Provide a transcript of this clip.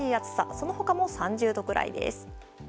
その他も３０度くらいです。